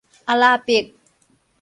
阿拉伯